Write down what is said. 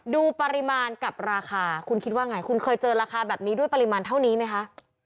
ดูปริมาณกับราคาคุณคิดว่าไงคุณเคยเจอราคาแบบนี้ด้วยปริมาณเท่านี้ไหมคะ